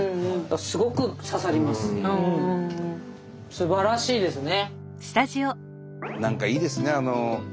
すばらしいですね。